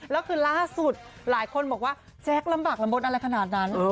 แล้วคือล่าสุดหลายคนบอกว่าแจ๊คลำบากลำบลอะไรขนาดนั้น